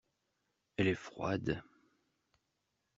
Elle est froide.